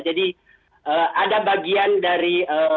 jadi ada bagian dari